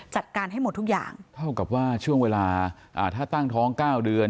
จัดการให้หมดทุกอย่างเท่ากับว่าช่วงเวลาอ่าถ้าตั้งท้องเก้าเดือน